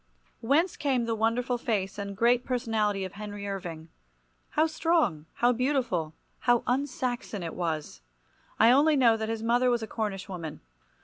Whence came the wonderful face and great personality of Henry Irving? How strong, how beautiful, how un Saxon it was! I only know that his mother was a Cornish woman.